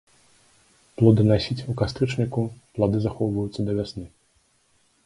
Плоданасіць у кастрычніку, плады захоўваюцца да вясны.